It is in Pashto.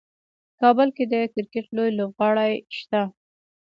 کابل کې د کرکټ لوی لوبغالی شته.